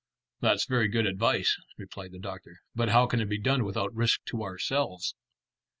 "That's very good advice," replied the doctor, "but how can it be done without risk to ourselves?"